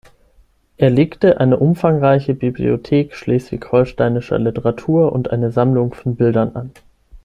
Er legte eine umfangreiche Bibliothek schleswig-holsteinischer Literatur und eine Sammlung von Bildern an.